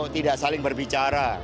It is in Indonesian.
itu kan tidak saling berbicara